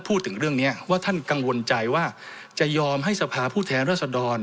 พูดถึงเรื่องนี้ว่าท่านกังวลใจว่าจะยอมให้สภาผู้แทนรัศดร